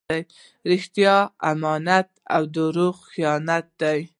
رښتیا امانت او درواغ خیانت دئ.